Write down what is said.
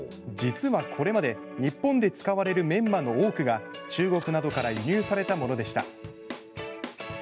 実は、これまで日本で使われるメンマの多くが中国などから輸入されたものでした。